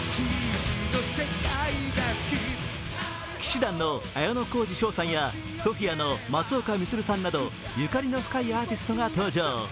氣志團の綾小路翔さんやＳＯＰＨＩＡの松岡充さんなどゆかりの深いアーティストが登場。